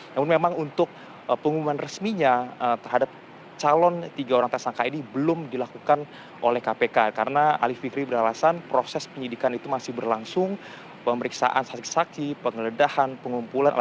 yang pertama adalah syahrul yassin limpo